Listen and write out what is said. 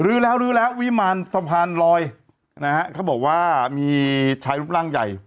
แล้วลื้อแล้ววิมารสะพานลอยนะฮะเขาบอกว่ามีชายรูปร่างใหญ่